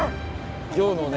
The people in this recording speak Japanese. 今日のね